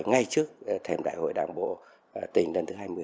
ngay trước thèm đại hội đảng bộ tỉnh đần thứ hai mươi